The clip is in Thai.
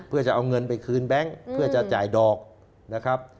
เพื่อจะเอาเงินไปคืนแบงค์เพื่อจะจ่ายดอกนะครับ